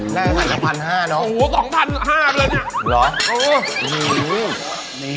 แน่ใส่ละพันห้าเนอะโอ้โหสองพันห้ามึงอ่ะเนี้ย